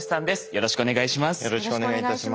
よろしくお願いします。